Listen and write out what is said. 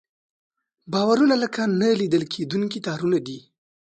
باورونه لکه نه لیدل کېدونکي تارونه دي.